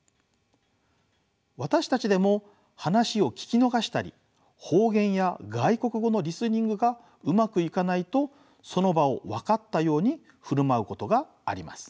私たちでも話を聞き逃したり方言や外国語のリスニングがうまくいかないとその場をわかったように振る舞うことがあります。